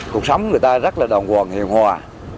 cuộc sống người ta rất là đồng hồn hiệu hòa